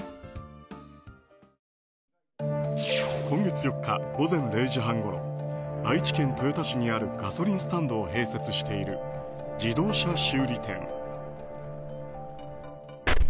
今月４日午前０時半ごろ愛知県豊田市にあるガソリンスタンドを併設している自動車修理店。